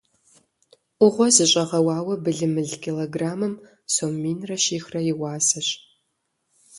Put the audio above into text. Ӏугъуэ зыщӏэгъэуауэ былымыл килограммым сом минрэ щихрэ и уасэщ.